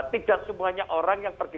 tidak semuanya orang yang pergi